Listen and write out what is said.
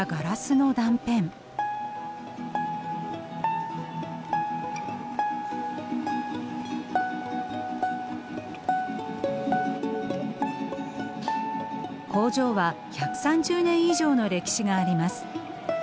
工場は１３０年以上の歴史があります。